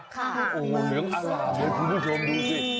เหลืองอร่าเหมือนคุณผู้ชมดูสิ